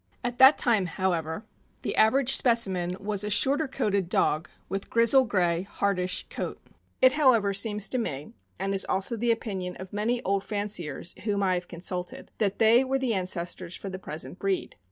At that time, however, the average specimen was a short r coated dog, with grizzle gray, hardish coat. It however seems to me, and is also the opinion of many old fanciers whom I have consulted, that they were the ancestors for the present breed.